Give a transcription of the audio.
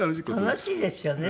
楽しいですよね